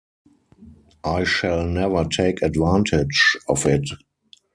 I shall never take advantage of it.